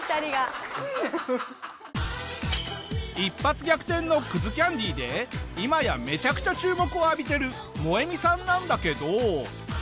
一発逆転のきゃんでぃで今やめちゃくちゃ注目を浴びてるモエミさんなんだけど。